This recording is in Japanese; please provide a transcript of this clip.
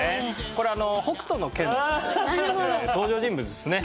これ『北斗の拳』なんですけど登場人物ですね。